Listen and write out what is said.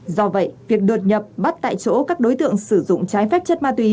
do vậy việc đột nhập bắt tại chỗ các đối tượng sử dụng trái phép chất ma túy